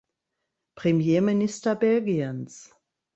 Premierminister Belgiens.